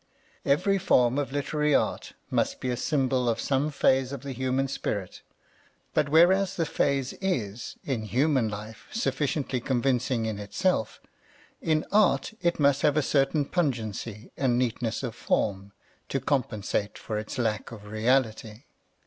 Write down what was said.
Every form of literary art must be a symbol of some phase of the human spirit ; but whereas the phase is, in human life, sufficiently convincing in itself, in art it must have a certain pungency and neatness of form, to compensate for its lack of reality.